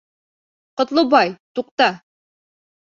Ҡотлобай, туҡта.